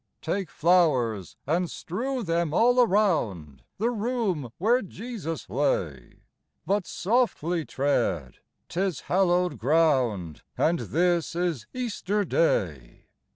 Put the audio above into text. Take flowers, and strew them all around The room where Jesus lay : But softly tread ; 'tis hallowed ground, And this is Easter Day.